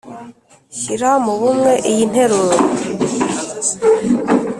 shyira mu bumwe iyi nteruro